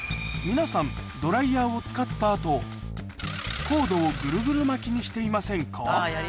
皆さんドライヤーを使った後コードをぐるぐる巻きにしていませんが？